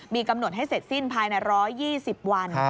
มีกำหนดให้เสร็จสิ้นภายใน๑๒๐วัน